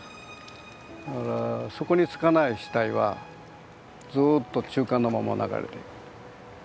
だから底につかない死体はずっと中間のまま流れていく。